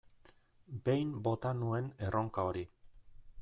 Behin bota nuen erronka hori.